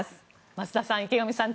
増田さん池上さん